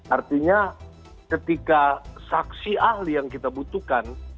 artinya ketika saksi ahli yang kita butuhkan